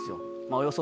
およそ。